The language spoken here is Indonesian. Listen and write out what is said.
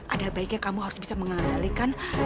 ada baiknya kamu harus bisa mengendalikan